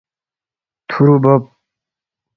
تھُورو بوب